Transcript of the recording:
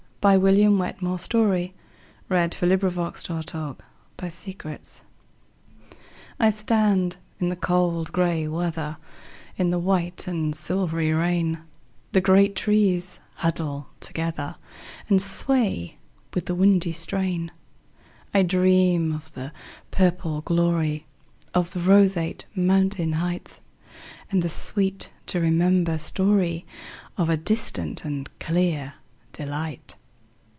William Wetmore Story 1819–1895 William Wetmore Story 123 In the Rain I STAND in the cold gray weather, In the white and silvery rain; The great trees huddle together, And sway with the windy strain.I dream of the purple gloryOf the roseate mountain heightAnd the sweet to remember storyOf a distant and clear delight.